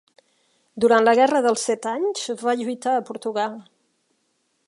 Durant la Guerra dels Set Anys va lluitar a Portugal.